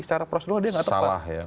secara prosedural dia enggak tepat salah ya